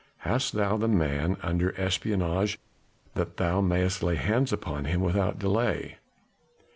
Hast thou the man under espionage, that thou mayest lay hands upon him without delay?"